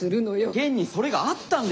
現にそれがあったんですって。